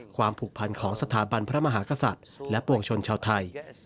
ผูกพันของสถาบันพระมหากษัตริย์และปวงชนชาวไทย